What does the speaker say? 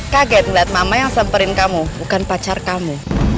kaget melihat mama yang samperin kamu bukan pacar kamu